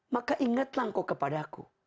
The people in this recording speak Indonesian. maka ingatlah engkau kepada aku